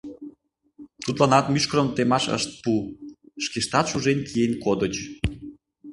Тудланат мӱшкырым темаш ышт пу, шкештат шужен киен кодыч.